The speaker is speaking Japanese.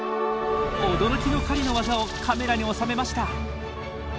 驚きの狩りの技をカメラに収めました。